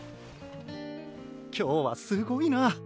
今日はすごいな！